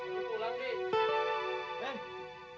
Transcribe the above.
tunggu dulu dik